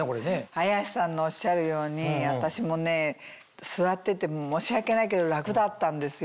綾瀬さんのおっしゃるように私もね座ってて申し訳ないけど楽だったんですよ。